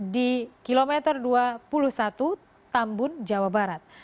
di kilometer dua puluh satu tambun jawa barat